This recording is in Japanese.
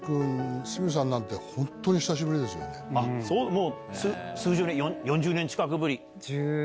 もう数十年４０年近くぶり？